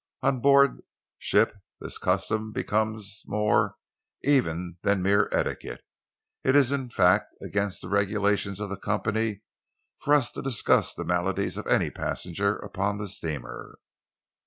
On board ship this custom becomes more, even, than mere etiquette. It is, in fact, against the regulations of the company for us to discuss the maladies of any passenger upon the steamer."